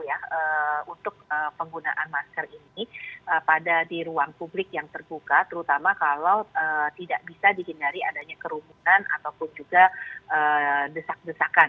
ya untuk penggunaan masker ini pada di ruang publik yang terbuka terutama kalau tidak bisa dihindari adanya kerumunan ataupun juga desak desakan